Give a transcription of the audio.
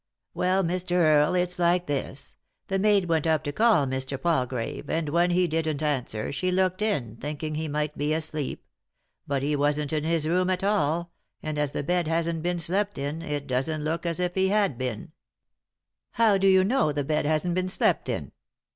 " Well, Mr. Earle, it's like this. The maid went 26 3i 9 iii^d by Google THE INTERRUPTED KISS up to call Mr. Palgrave, and when be didn't answer, she looked in, thinking he might be asleep. But he wasn't in his room at all, and, as the bed hasn't been slept in, it doesn't look as if he had been." " How do you know the bed hasn't been slept in?"